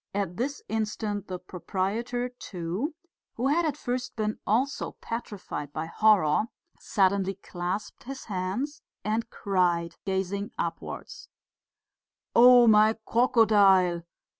At this instant the proprietor, too, who had at first been also petrified by horror, suddenly clasped his hands and cried, gazing upwards: "Oh my crocodile!